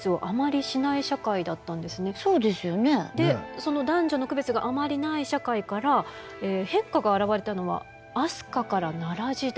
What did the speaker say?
その男女の区別があまりない社会から変化が現れたのは飛鳥から奈良時代。